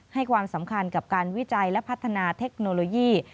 ให้ความสำคัญกับการวิจัยและพัฒนาเทคโนโลยี